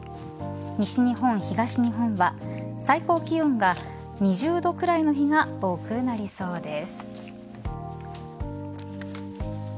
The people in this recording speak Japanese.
西日本、東日本は最高気温が２０度くらいの日が多くなりそうです。